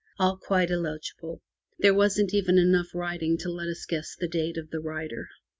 All quite illegible. There wasn't even enough writing left to let us guess the date of the writer.